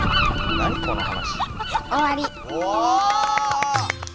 何この話。